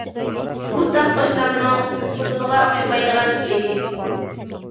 بۇ تام قوشنامنىڭ خوتۇنىغا ئوخشىمايدىغان ئىش.